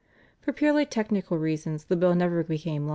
For purely technical reasons the bill never became law.